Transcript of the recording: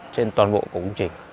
trên toàn bộ của công trình